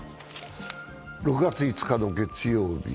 ６月５日の月曜日。